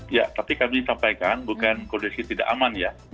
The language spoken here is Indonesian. ya tapi kami sampaikan bukan kondisi tidak aman ya